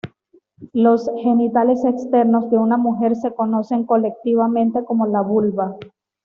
Los genitales externos de una mujer se conocen colectivamente como la vulva.